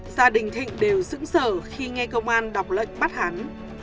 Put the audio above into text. gia đình thịnh đều dững sở khi nghe công an đọc lệnh bắt hắn